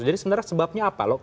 jadi sebenarnya sebabnya apa